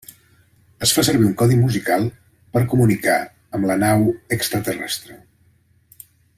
Es fa servir un codi musical per comunicar amb la nau extraterrestre.